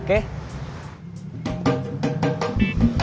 kita pulang aja